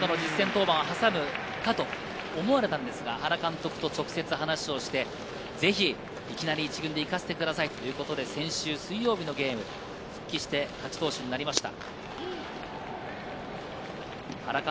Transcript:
一回、２軍戦などの実戦登板を挟むかと思われましたが原監督と直接話をして、ぜひいきなり１軍で行かせてくださいということで先週水曜日のゲーム、復帰して勝ち投手になりました。